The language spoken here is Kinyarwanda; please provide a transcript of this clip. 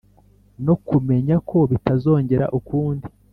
no kumenya ko bitazongera ukundi